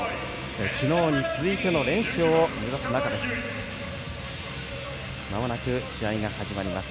昨日に続いての連勝を目指します。